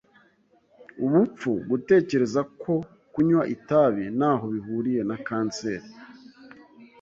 Ubupfu gutekereza ko kunywa itabi ntaho bihuriye na kanseri.